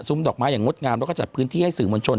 ดอกไม้อย่างงดงามแล้วก็จัดพื้นที่ให้สื่อมวลชน